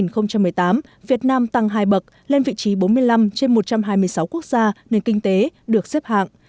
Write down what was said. năm hai nghìn một mươi tám việt nam tăng hai bậc lên vị trí bốn mươi năm trên một trăm hai mươi sáu quốc gia nền kinh tế được xếp hạng